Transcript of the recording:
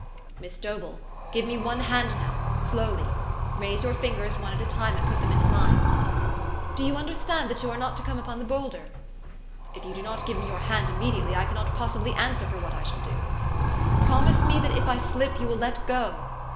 "Miss Dobell, give me one hand now slowly. Raise your fingers, one at a time, and put them into mine. u Do you understand that you are not to come upon the bowlder ? "If you do not give me your hand immediately, I cannot possibly answer for what I shall do." " Promise me, that, if I slip, you will let go."